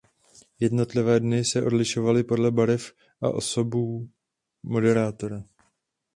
Jednotlivé dny se odlišovaly podle barev a osobou moderátora.